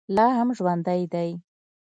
لا هم ژوندی دی.